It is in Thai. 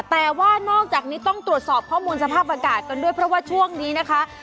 แต่ว่านอกจากนี้ต้องตรวจสอบข้อมูลสภาพอากาศกันด้วยเพราะว่าช่วงนี้นะคะ